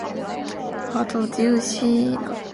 龙哥就是龙！